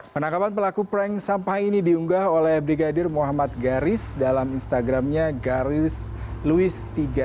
penangkapan pelaku prank sampah ini diunggah oleh brigadir muhammad garis dalam instagramnya garisluis tiga puluh tujuh